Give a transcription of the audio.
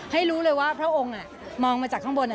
ให้รู้เลยว่าพระองค์มองมาจากข้างบน